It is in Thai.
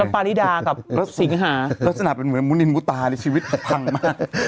แล้วก็ป้าริดากับสิงหาเล่าสนับเพียงเหมือนมูรินมูตาริสิวิตพั้งมาก